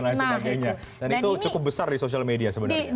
dan itu cukup besar di sosial media sebenarnya